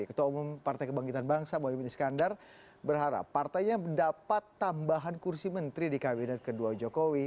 ketua umum partai kebangkitan bangsa mohaimin iskandar berharap partainya mendapat tambahan kursi menteri di kabinet kedua jokowi